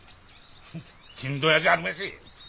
ちんどん屋じゃあるめえし。